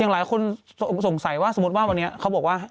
หลายคนสงสัยว่าสมมุติว่าวันนี้เขาบอกว่า